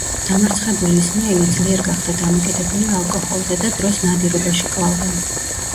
დამარცხებული ისმაილი ძლიერ გახდა დამოკიდებული ალკოჰოლზე და დროს ნადირობაში კლავდა.